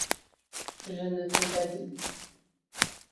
Je ne t'ai pas dit ?